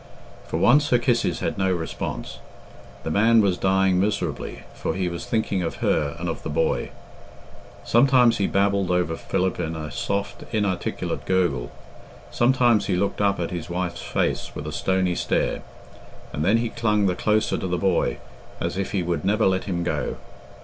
For once her kisses had no response. The man was dying miserably, for he was thinking of her and of the boy. Sometimes he babbled over Philip in a soft, inarticulate gurgle; sometimes he looked up at his wife's face with a stony stare, and then he clung the closer to the boy, as if he would never let him go.